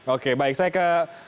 oke baik saya ke